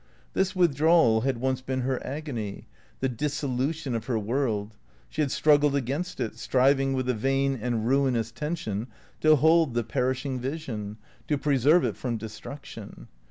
This withdrawal had once been her agony, the dissolution of her world; she had struggled against it, striving with a vain and ruinous tension to hold the perishing vision, to preserve it from destruction.